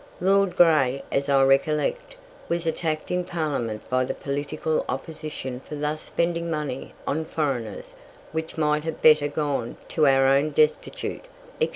Lord Grey, as I recollect, was attacked in Parliament by the political opposition for thus spending money on foreigners which might have better gone to our own destitute, etc.